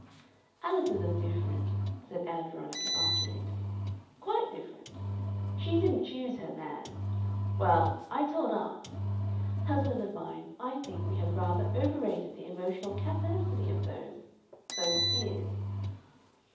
'" "Alice's are different," said Ann Veronica, after an interval. "Quite different. She didn't choose her man.... Well, I told aunt.... Husband of mine, I think we have rather overrated the emotional capacity of those those dears."